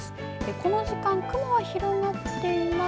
この時間、雲は広がっています。